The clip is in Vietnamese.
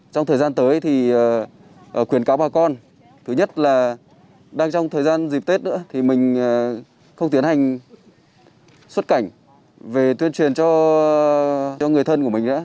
trong thời gian tới thì khuyến cáo bà con thứ nhất là đang trong thời gian dịp tết nữa thì mình không tiến hành xuất cảnh về tuyên truyền cho người thân của mình nữa